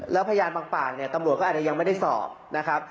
แล้วพยานบางปากเนี่ยตำรวจก็อาจจะยังไม่ได้สอบนะครับ